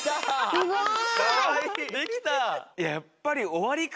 すっごい！